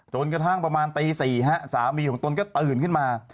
จนกระทั่งประมาณตี๔สามีของตนก็ตื่นขึ้นมา